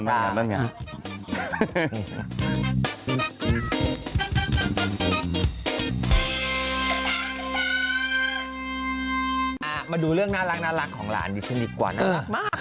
มาดูเรื่องน่ารักของหลานดีชนิดกว่าน่ารัก